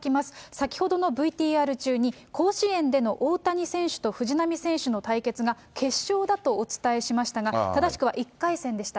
先ほどのＶＴＲ中に、甲子園での大谷選手と藤浪選手の対決が、決勝だとお伝えしましたが、正しくは１回戦でした。